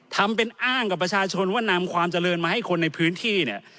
ทำเป็นอ้างกับประชาชนว่านำความเจริญมาให้คนในพื้นที่เนี่ย